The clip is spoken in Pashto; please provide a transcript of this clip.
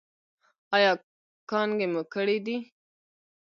ایا کانګې مو کړي دي؟